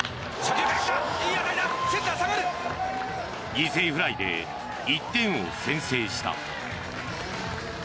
犠牲フライで１点を先制した。